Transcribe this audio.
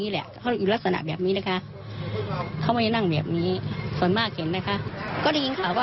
แล้วเมื่อกี้เห็นแล้ว